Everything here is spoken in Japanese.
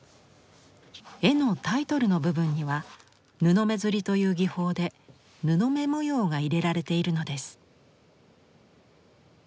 絵のタイトルの部分には布目摺という技法で布目模様が入れられているのです。